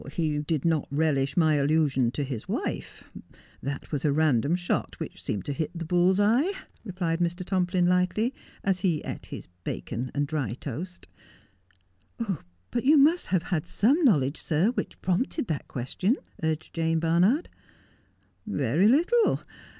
' He did not relish my allusion to his wife. That was a random shot which seemed to hit the bull's eye,' replied Mr. Tomplin lightly, as he eat his bacon and dry toast 'But you must have had some knowledge, sir, which prompted that question %' urged Jane Barnard. ' Very little.